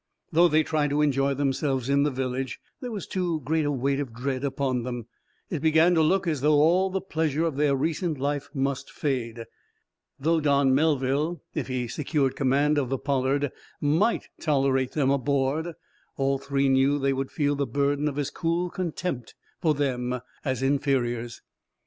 Though they tried to enjoy themselves in the village, there was too great a weight of dread upon them. It began to look as though all the pleasure of their recent life must fade. Though Don Melville, if he secured command of the "Pollard," might tolerate them aboard, all three knew that they would feel the burden of his cool contempt for them as inferiors.